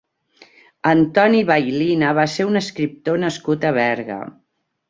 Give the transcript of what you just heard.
Antoni Baylina va ser un escriptor nascut a Berga.